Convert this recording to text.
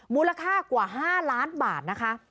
มูลค่ากว่า๕ล้านบาทนะคะ